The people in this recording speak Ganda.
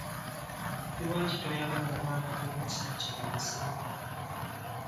Lwaki toyagala baana b'omusajja bewasangawo?